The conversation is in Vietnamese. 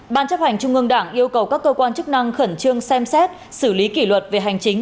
ban chấp hành trung ương đảng yêu cầu các cơ quan chức năng khẩn trương xem xét xử lý kỷ luật về hành chính